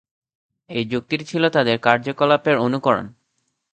এই যুক্তিটি ছিল তাদের কার্যকলাপের অনুকরণ।